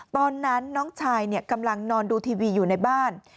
ตอนนั้นน้องชายกำลังนอนดูทีวีอยู่ในบ้าน